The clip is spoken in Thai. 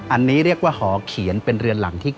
อันนี้เรียกว่าหอเขียนเป็นเรือนหลังที่๙